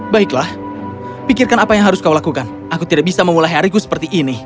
baiklah pikirkan apa yang harus kau lakukan aku tidak bisa memulai hariku seperti ini